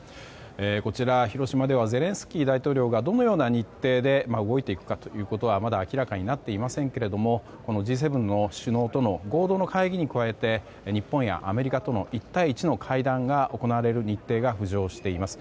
こちら、広島ではゼレンスキー大統領がどのような日程で動いていくかということはまだ明らかになっていませんがＧ７の首脳との合同の会議に加えて日本やアメリカとの一対一の会談が行われる日程が浮上しています。